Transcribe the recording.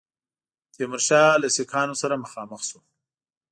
تیمورشاه له سیکهانو سره مخامخ شو.